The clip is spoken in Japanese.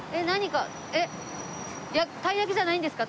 えったいやきじゃないんですか？